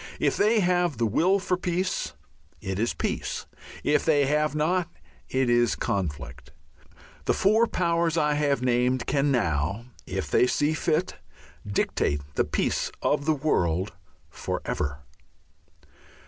If they have the will for peace, it is peace. If they have not, it is conflict. The four powers I have named can now, if they see fit, dictate the peace of the world for ever.